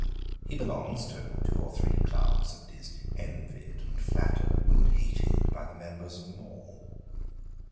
He belongs to two or three clubs, and is envied, and flattered, and hated by the members of them all.